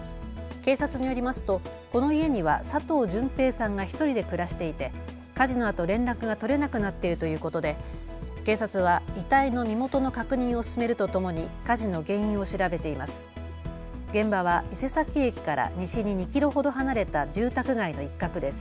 警察によりますと、この家には佐藤順平さんが１人で暮らしていて火事のあと連絡が取れなくなっているということで警察は遺体の身元の確認を進めるとともに、火事の原因を調べています。